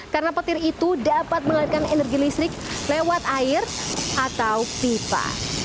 karena petir itu dapat mengalirkan energi listrik lewat air atau pipa